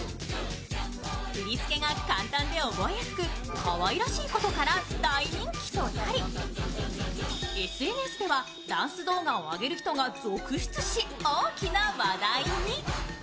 振り付けが簡単で覚えやすく、かわいらしいことから大人気となり、ＳＮＳではダンス動画を挙げる人が続出し、大きな話題に。